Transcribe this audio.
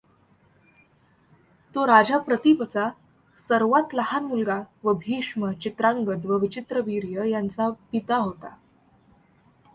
तो राजा प्रतीपचा सर्वात लहान मुलगा व भीष्म, चित्रांगद व विचित्रवीर्य यांचा पिता होता.